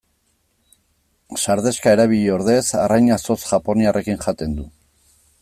Sardexka erabili ordez arraina zotz japoniarrekin jaten du.